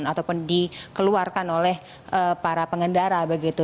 ataupun dikeluarkan oleh para pengendara begitu